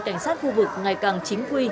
cảnh sát khu vực ngày càng chính quy